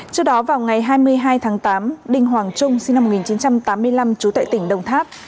trước đó vào ngày hai mươi hai tháng tám đinh hoàng trung sinh năm một nghìn chín trăm tám mươi năm trú tại tỉnh đồng tháp